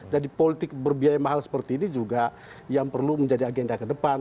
jadi politik berbiaya mahal seperti ini juga yang perlu menjadi agenda ke depan